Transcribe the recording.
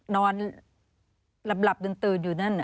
นอนหลับดื่นอยู่นั่น